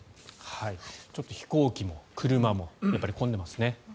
ちょっと飛行機も車もやっぱり混んでいますね。